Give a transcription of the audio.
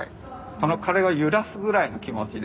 これを揺らすぐらいの気持ちで。